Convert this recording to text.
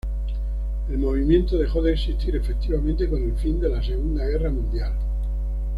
El movimiento dejó de existir efectivamente con el fin de la Segunda Guerra Mundial.